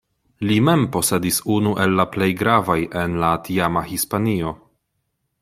Li mem posedis unu el la plej gravaj en la tiama Hispanio.